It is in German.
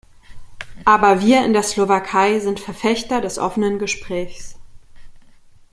Aber wir in der Slowakei sind Verfechter des offenen Gesprächs.